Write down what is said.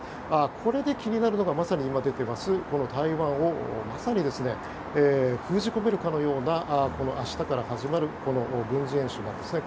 これで気になるのが今出ています、台湾をまさに封じ込めるかのような明日から始まる軍事演習なんですね。